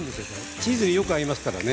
チーズによく合いますからね。